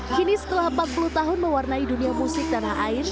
kini setelah empat puluh tahun mewarnai dunia musik tanah air